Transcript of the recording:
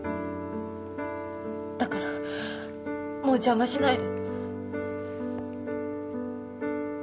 だからもう邪魔しないで。